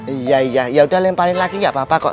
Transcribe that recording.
iya iya yaudah lemparin lagi gak apa apa kok